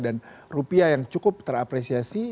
dan rupiah yang cukup terapresiasi